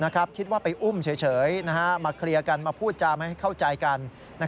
คิดว่าไปอุ้มเฉยมาเคลียร์กันมาพูดจาไม่ให้เข้าใจกัน